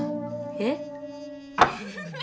えっ？